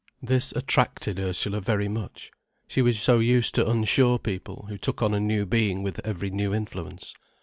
This attracted Ursula very much. She was so used to unsure people who took on a new being with every new influence.